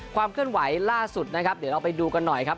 ความเคลื่อนไหวล่าสุดนะครับเดี๋ยวเราไปดูกันหน่อยครับ